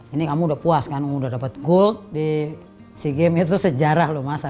ini kamu udah puas kan kamu udah dapet gold di sea games itu sejarah loh masa